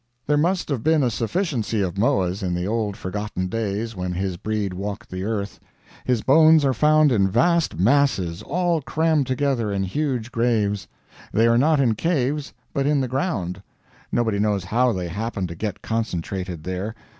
There must have been a sufficiency of moas in the old forgotten days when his breed walked the earth. His bones are found in vast masses, all crammed together in huge graves. They are not in caves, but in the ground. Nobody knows how they happened to get concentrated there.